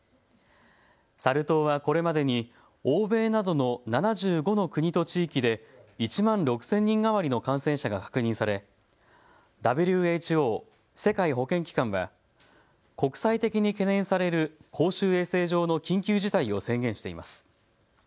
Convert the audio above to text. サル痘はこれまでに欧米などの７５の国と地域で１万６０００人余りの感染者が確認されＷＨＯ・世界保健機関は国際的に懸念される公衆衛生上の緊急事態を宣言しています。